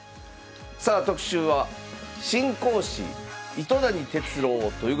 さあ特集は「新講師・糸谷哲郎」ということで。